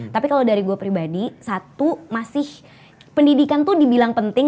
tapi kalau dari gue pribadi satu masih pendidikan tuh dibilang penting